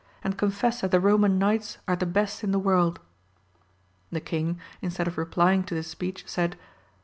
and confess that the Roman knights are the best in the world. The king instead of replying to this speech, said.